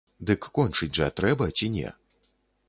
Дык кончыць жа трэба ці не?